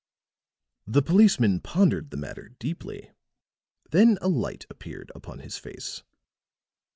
The policeman pondered the matter deeply; then a light appeared upon his face.